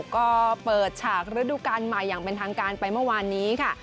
ก็เปิดฉากระดูกการใหม่อย่างเป็นทางการไปเมื่อวานนี้ค่ะ